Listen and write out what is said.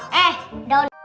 kecuse pun zitick it